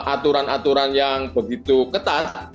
aturan aturan yang begitu ketat